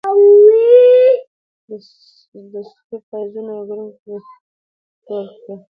د سرو پېزوانه ګړنګو زوړ کړې